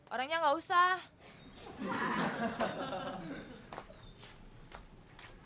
orangnya gak usah